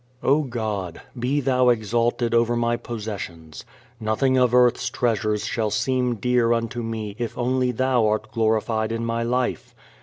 _O God, be Thou exalted over my possessions. Nothing of earth's treasures shall seem dear unto me if only Thou art glorified in my life.